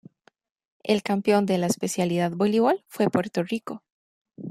El campeón de la especialidad Voleibol fue Puerto Rico.